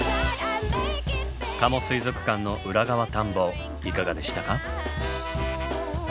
加茂水族館の裏側探訪いかがでしたか？